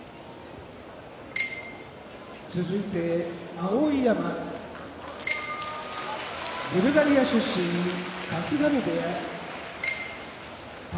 碧山ブルガリア出身春日野部屋宝